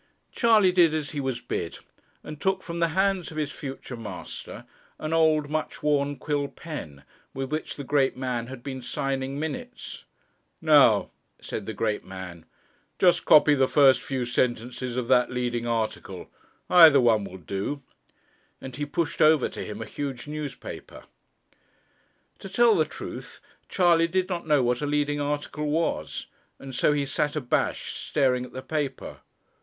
Charley did as he was bid, and took from the hands of his future master an old, much worn quill pen, with which the great man had been signing minutes. 'Now,' said the great man, 'just copy the few first sentences of that leading article either one will do,' and he pushed over to him a huge newspaper. To tell the truth, Charley did not know what a leading article was, and so he sat abashed, staring at the paper.